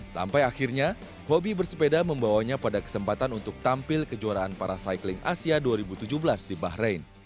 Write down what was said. sampai akhirnya hobi bersepeda membawanya pada kesempatan untuk tampil kejuaraan para cycling asia dua ribu tujuh belas di bahrain